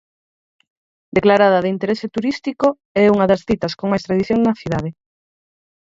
Declarada de interese turístico, é unha das citas con máis tradición na cidade.